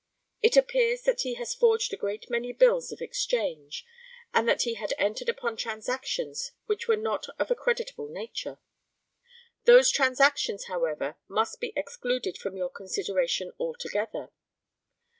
It appears that he has forged a great many bills of exchange, and that he had entered upon transactions which were not of a creditable nature. Those transactions, however, must be excluded from your consideration altogether.